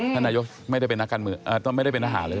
ท่านนายกไม่ได้เป็นนักการเมืองไม่ได้เป็นทหารเลย